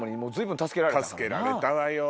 助けられたわよ。